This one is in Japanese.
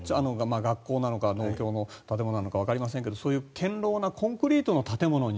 学校なのか農協の建物なのかわかりませんけれどそういう堅牢なコンクリートの建物に